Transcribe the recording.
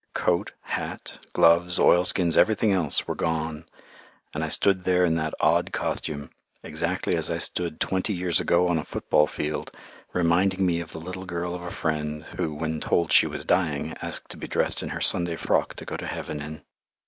Coat, hat, gloves, oilskins, everything else, were gone, and I stood there in that odd costume, exactly as I stood twenty years ago on a football field, reminding me of the little girl of a friend, who, when told she was dying, asked to be dressed in her Sunday frock to go to heaven in.